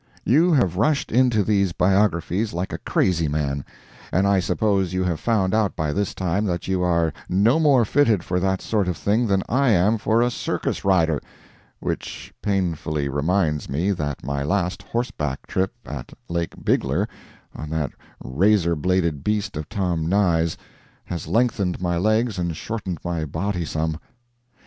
You have rushed into these biographies like a crazy man, and I suppose you have found out by this time that you are no more fitted for that sort of thing than I am for a circus rider (which painfully reminds me that my last horseback trip at Lake Bigler, on that razor bladed beast of Tom Nye's, has lengthened my legs and shortened my body some).